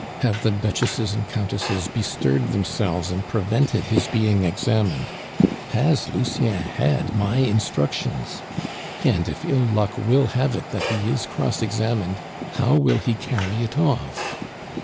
Have the Duchesses and Countesses bestirred themselves and prevented his being examined? Has Lucien had my instructions? And if ill luck will have it that he is cross questioned, how will he carry it off?